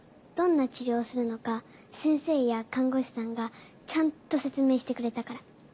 どんな治療をするのか先生や看護師さんがちゃんと説明してくれたから。